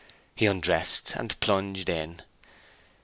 He undressed and plunged in.